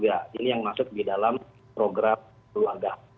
sepuluh juta keluarga ini yang masuk di dalam program keluarga